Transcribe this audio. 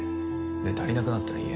で足りなくなったら言え。